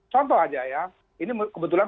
contoh aja ya ini kebetulan